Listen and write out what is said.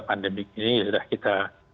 pandemik ini sudah kita